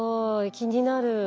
気になる。